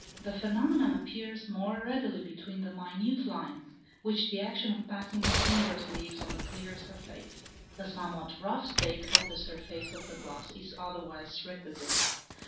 The phenomenon appears most readily between the minute lines, which the action of passing the fingers leaves on the clear surface; a somewhat rough state of the surface of the glass is otherwise requisite.